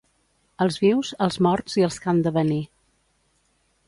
Els vius, els morts i els que han de venir.